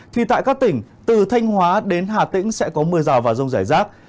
thì tại các tỉnh từ thanh hóa đến hà tĩnh sẽ có mưa rào và rong giải rác